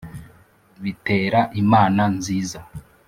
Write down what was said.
bitera imana nziza